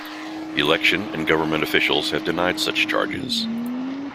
Election and government officials have denied such charges.